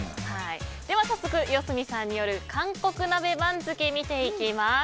では早速、四角さんによる韓国鍋番付、見ていきます。